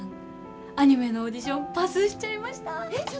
アニメのオーディションパスしちゃいました！